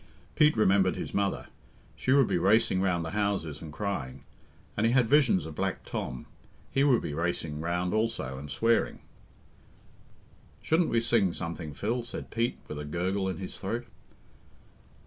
Pete remembered his mother she would be racing round the houses and crying; and he had visions of Black Tom he would be racing round also and swearing. "Shouldn't we sing something, Phil?" said Pete, with a gurgle in his throat.